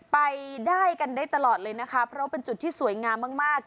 ไปได้กันได้ตลอดเลยนะคะเพราะเป็นจุดที่สวยงามมาก